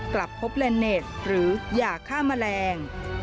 กลับพบแลนด์เนสหรือยาฆ่าแมลง